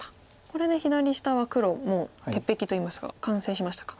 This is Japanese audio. これで左下は黒もう鉄壁といいますか完成しましたか。